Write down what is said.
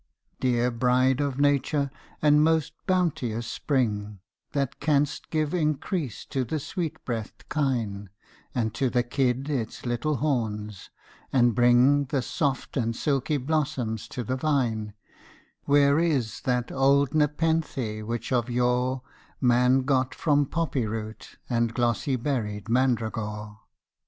Dear bride of Nature and most bounteous spring, That canst give increase to the sweet breath'd kine, And to the kid its little horns, and bring The soft and silky blossoms to the vine, Where is that old nepenthe which of yore Man got from poppy root and glossy berried mandragore!